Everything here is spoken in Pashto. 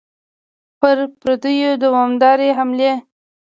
پر پردیو دوامدارې حملې.